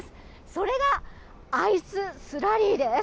それがアイススラリーです。